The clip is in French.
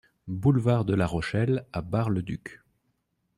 Boulevard de la Rochelle à Bar-le-Duc